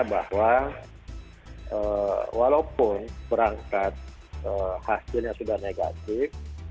bahwa walaupun berangkat hasilnya sudah negatif